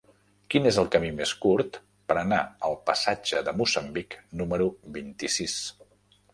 Quin és el camí més curt per anar al passatge de Moçambic número vint-i-sis?